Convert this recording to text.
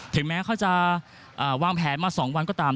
ถึงแม้เขาจะวางแผนมา๒วันก็ตาม